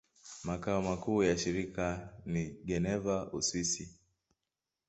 Makao makuu ya shirika ni Geneva, Uswisi.